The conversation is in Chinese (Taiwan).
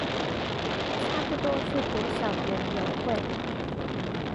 差不多是國小園遊會